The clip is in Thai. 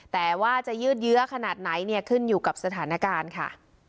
แต่ว่าจะยืดเยื้อขนาดไหนเนี่ยขึ้นอยู่กับสถานการณ์ค่ะ